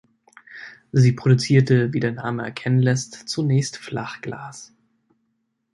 Sie produzierte, wie der Name erkennen lässt, zunächst Flachglas.